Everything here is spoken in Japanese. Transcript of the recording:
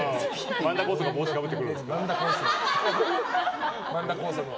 万田酵素が帽子かぶってるんですか。